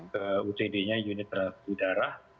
ke utd nya unit terhadap udara